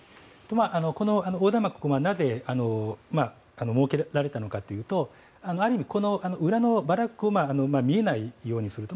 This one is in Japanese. この横断幕がなぜ設けられたのかというとある意味、裏のバラックを見えないようにする。